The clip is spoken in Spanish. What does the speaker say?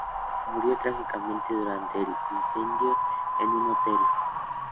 Murió trágicamente durante un incendio en un hotel.